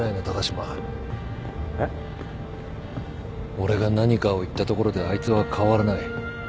俺が何かを言ったところであいつは変わらない。